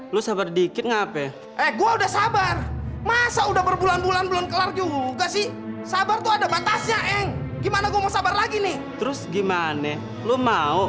lah gua juga belum tau